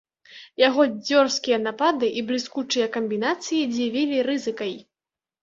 Яго дзёрзкія напады і бліскучыя камбінацыі дзівілі рызыкай.